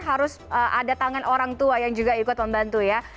harus ada tangan orang tua yang juga ikut membantu ya